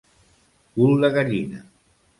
Cul de gallina.